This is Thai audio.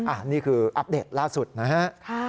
อันนี้คืออัปเดตล่าสุดนะฮะ